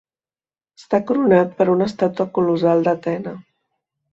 Està coronat per una estàtua colossal d'Atena.